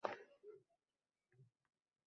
Do‘st sari otlandim, yo‘ldan qaytmadim.